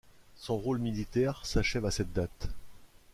Son rôle militaire s'achève à cette date.